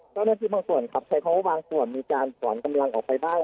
เจ้าหน้าที่บางส่วนครับใช้คำว่าบางส่วนมีการถอนกำลังออกไปได้